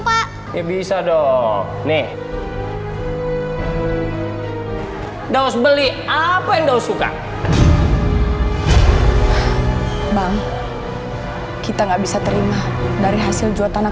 pak ya bisa dong nih daus beli apa yang daus suka bang kita nggak bisa terima dari hasil jual tanah